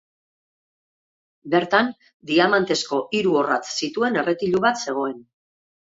Bertan diamantezko hiru orratz zituen erretilu bat zegoen.